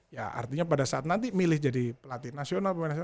ya artinya pada saat nanti milih jadi pelatih nasional